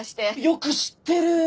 よく知ってる！